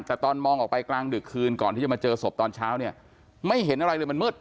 แต่ตอนมองออกไปกลางดึกคืนก่อนที่จะมาเจอศพตอนเช้าเนี่ยไม่เห็นอะไรเลยมันมืด